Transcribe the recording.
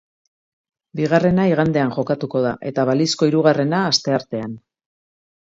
Bigarrena igandean jokatuko da eta balizko hirugarrena asteartean.